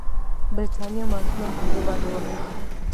برټانیې مارکونه ورباندې وهل.